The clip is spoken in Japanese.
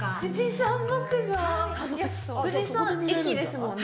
いや、富士山駅ですもんね？